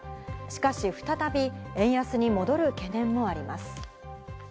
しかし、再び円安に戻る懸念もあります。